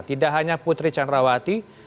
tidak hanya putri canrawati